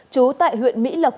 chú tại huyện mỹ lập